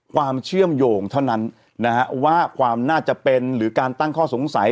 ความเชื่อมโยงเท่านั้นนะฮะว่าความน่าจะเป็นหรือการตั้งข้อสงสัย